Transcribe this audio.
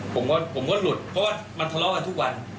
ผมก็หลุดเพราะว่ามันทะเลาะกันทุกวัน